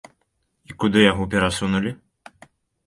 І куды яго перасунулі?